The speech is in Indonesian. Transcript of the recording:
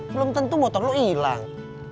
belum tentu motor lu ilang